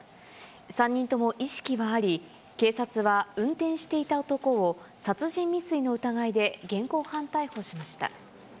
３人とも意識はあり、警察は、運転していた男を殺人未遂の疑いで現行犯逮捕しました。